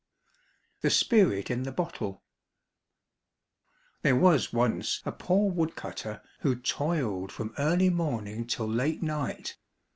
99 The Spirit in the Bottle There was once a poor woodcutter who toiled from early morning till late night.